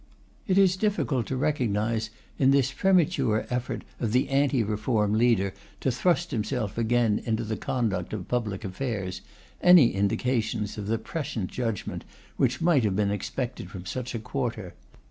It is difficult to recognise in this premature effort of the Anti Reform leader to thrust himself again into the conduct of public affairs, any indications of the prescient judgment which might have been expected from such a quarter.